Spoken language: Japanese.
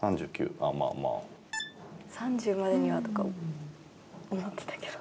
３０までにはとか思ってたけど。